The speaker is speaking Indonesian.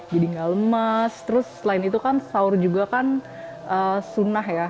jadi nggak lemas terus selain itu kan sahur juga kan sunah ya